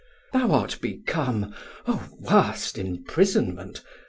Thou art become (O worst imprisonment!)